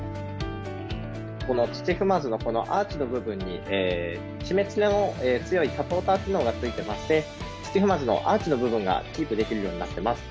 この土踏まずのアーチの部分に締めつけの強いサポーター機能がついていまして土踏まずのアーチの部分がキープできるようになっています。